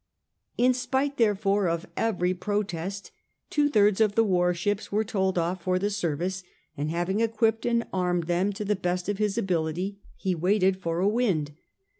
In spite, therefore, of every protest two thirds of the war ships were told ofiF for the service, and having equipped and armed them to the best of his ability he waited for a wind.